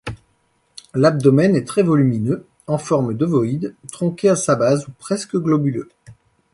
L'abdomen est très volumineux, en forme d'ovoïde, tronqué à sa base ou presque globuleux.